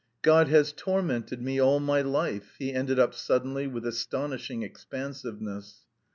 God has tormented me all my life," he ended up suddenly with astonishing expansiveness.